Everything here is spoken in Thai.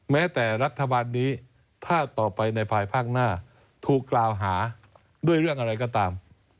แม้แต่รัฐบาลนี้ถ้าต่อไปในภายภาคหน้าถูกกล่าวหาด้วยเรื่องอะไรก็ตาม